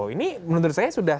ini menurut saya sudah